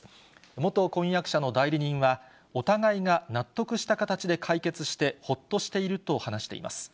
元婚約者の代理人は、お互いが納得した形で解決してほっとしていると話しています。